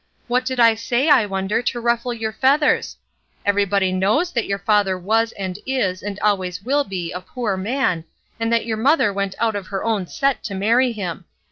What did I say, I wonder, to ruffle your feathers ? Everybody knows that your father was and is and always will be a poor man, and that your mother went out of her own set to marry him.